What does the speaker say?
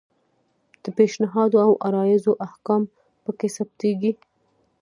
د پیشنهادونو او عرایضو احکام پکې ثبتیږي.